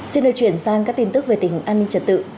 xin được chuyển sang các tin tức về tỉnh an ninh trật tự